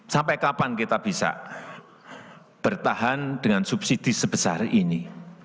sampai kapan kita bisa bertahan dengan subsidi sebesar ini